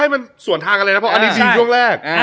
มันส่วนทางกันเลยนะเพราะอันนี้จริงช่วงแรก